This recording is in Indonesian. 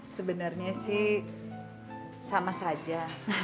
sebenarnya sih sama saja